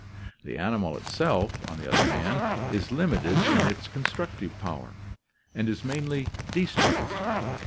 The animal itself, on the other hand, is limited in its constructive power, and is mainly destructive.